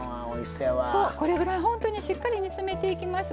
これぐらい本当にしっかり煮詰めていきます。